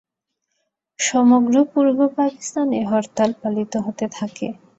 সমগ্র পূর্ব পাকিস্তানে হরতাল পালিত হতে থাকে।